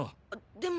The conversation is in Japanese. でも。